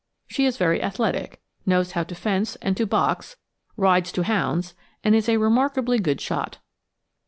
She is very athletic, knows how to fence and to box, rides to hounds, and is a remarkably good shot.